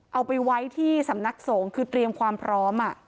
เอาไปไว้ที่สำนักสงฆ์คือเตรียมความพร้อม